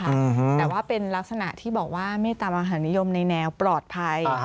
แต่ว่าเป็นลักษณะที่บอกว่าเมตามหานิยมในแนวปลอดภัย